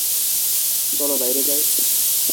চলো বাইরে যাই?